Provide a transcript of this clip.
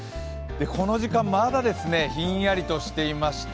この時間まだひんやりとしていまして